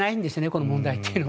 この問題は。